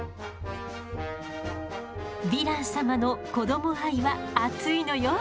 ヴィラン様の子ども愛は熱いのよ。